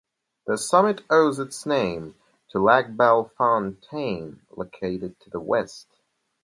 The summit owes its name to Lac Belle Fontaine located to the west.